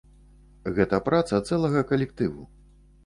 Гэта праца цэлага калектыву.